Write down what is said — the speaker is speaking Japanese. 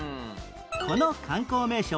この観光名所は？